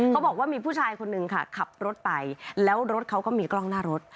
เขาบอกว่ามีผู้ชายคนนึงค่ะขับรถไปแล้วรถเขาก็มีกล้องหน้ารถ